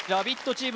チーム